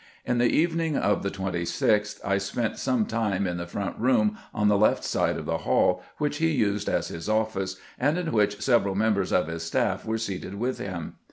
In the evening of the 26th I spent some time in the front room on the left side of the hall, which he used as his office, and in which several members of his staff were seated with him.